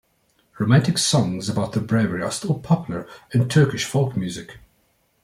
Romantic songs about their bravery are still popular in Turkish folk music.